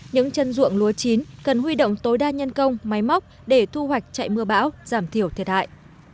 những chân ruộng lúa chín cần huy động tối đa nhân công máy móc để thu hoạch chạy mưa bão giảm thiểu thiệt hại